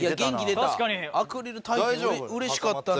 アクリル嬉しかったね。